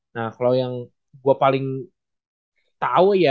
nah kalau yang gue paling tau ya